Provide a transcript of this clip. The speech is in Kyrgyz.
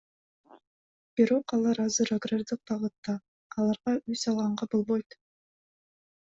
Бирок алар азыр агрардык багытта, аларга үй салганга болбойт.